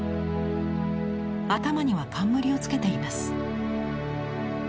頭には冠をつけています。